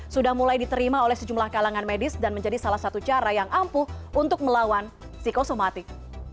sudah mulai diterima oleh sejumlah kalangan medis dan menjadi salah satu cara yang ampuh untuk melawan psikosomatik